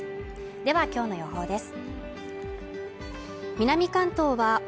では今日の予報です。